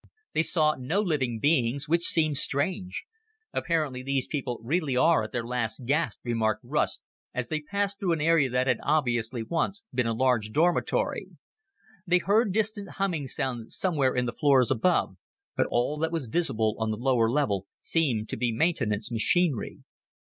They saw no living beings, which seemed strange. "Apparently these people really are at their last gasp," remarked Russ as they passed through an area that had obviously once been a large dormitory. They heard distant humming sounds somewhere in the floors above, but all that was visible on the lower level seemed to be maintenance machinery.